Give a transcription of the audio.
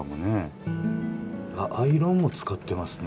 アイロンも使ってますね。